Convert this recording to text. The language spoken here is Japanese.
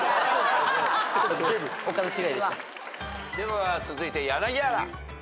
では続いて柳原。